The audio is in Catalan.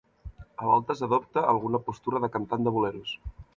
A voltes adopta alguna postura de cantant de boleros.